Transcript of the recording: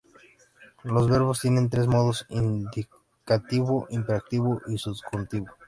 Los verbos tienen tres modos: indicativo, imperativo y subjuntivo.